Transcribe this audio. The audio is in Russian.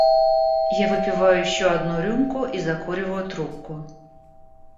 Я выпиваю ещё одну рюмку и закуриваю трубку.